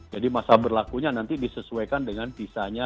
jadi masa berlakunya nanti disesuaikan dengan pisahnya